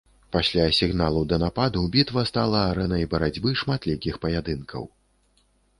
Пасля сігналу да нападу бітва стала арэнай барацьбы шматлікіх паядынкаў.